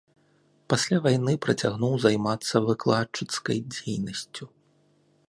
Пасля вайны працягнуў займацца выкладчыцкай дзейнасцю.